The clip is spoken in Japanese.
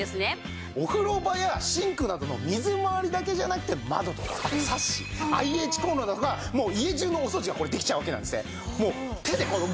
お風呂場やシンクなどの水回りだけじゃなくて窓とかあとサッシＩＨコンロだとかもう家じゅうのお掃除がこれできちゃうわけなんですね。